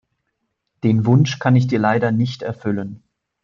Den Wunsch kann ich dir leider nicht erfüllen.